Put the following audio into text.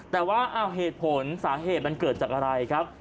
แต่ว่าเหตุผลสาเหตุมันเกิดจากอะไรครับ